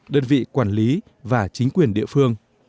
đơn vị quản lý và chính quyền địa phương